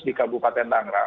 di kabupaten nangrang